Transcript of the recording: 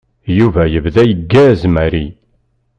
Yuba yebda yeggaz Mary.